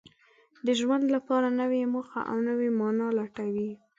د ژوند لپاره نوې موخه او نوې مانا لټوي.